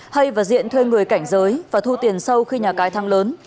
hay và diện thuê người cảnh giới và thu tiền sâu khi nhà cái thăng lớn